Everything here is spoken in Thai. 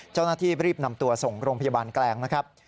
เจ้าหน้าที่รีบนำตัวส่งโรงพยาบาลแกลงนะครับ